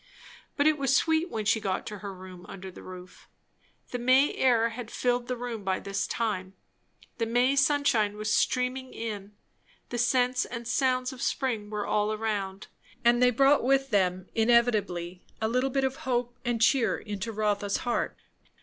But it was sweet when she got to her room under the roof. The May air had filled the room by this time; the May sunshine was streaming in; the scents and sounds of the spring were all around; and they brought with them inevitably a little bit of hope and cheer into Rotha's heart.